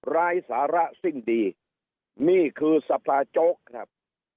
ร้ายสาระสิ้นดีนี่คือสภาโจ๊กครับ